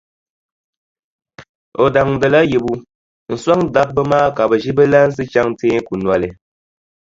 O daŋdila yibu n-sɔŋ dabba maa ka bɛ ʒi bɛ lansi chaŋ teeku noli.